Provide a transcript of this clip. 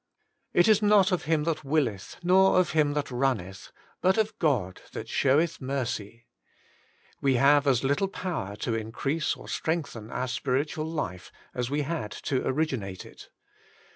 * It is not of him that willeth, nor of him that rnnneth, but of God that sheweth mercy/ We have as little power to increase or strengthen our spiritual life, as we had to originate it.